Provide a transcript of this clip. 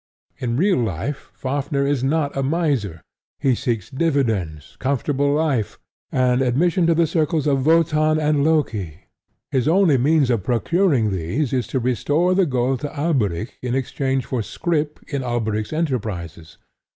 In real life, Fafnir is not a miser: he seeks dividends, comfortable life, and admission to the circles of Wotan and Loki. His only means of procuring these is to restore the gold to Alberic in exchange for scrip in Alberic's enterprises.